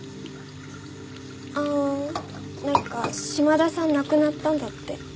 ああなんか島田さん亡くなったんだって。